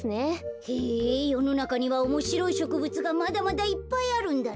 へえよのなかにはおもしろいしょくぶつがまだまだいっぱいあるんだね。